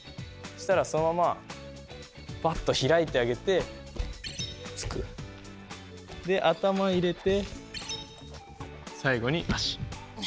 そしたらそのままバッと開いてあげてつく。であたま入れて最後に足。